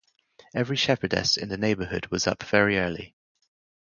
Every shepherdess in the neighborhood was up very early.